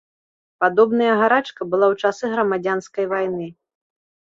Падобная гарачка была ў часы грамадзянскай вайны.